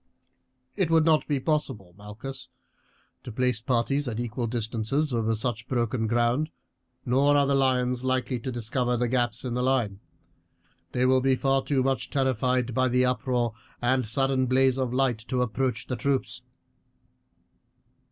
"It would not be possible, Malchus, to place the parties at equal distances over such broken ground. Nor are the lions likely to discover the gaps in the line; they will be far too much terrified by the uproar and sudden blaze of light to approach the troops.